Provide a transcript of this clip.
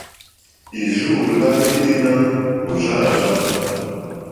Ì rzô lá yêténá ò rzá àrzá.